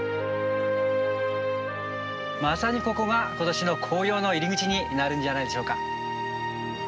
まさにここが今年の紅葉の入り口になるんじゃないでしょうか。